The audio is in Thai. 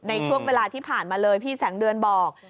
ในช่วงเวลาที่ผ่านมาเลยพี่แสงเดือนบอก